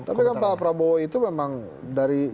tapi kan pak prabowo itu memang dari